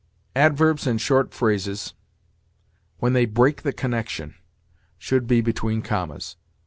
Adverbs and short phrases, when they break the connection, should be between commas.